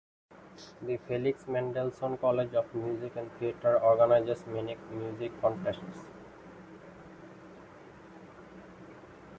The Felix Mendelssohn College of Music and Theatre organizes many music contests.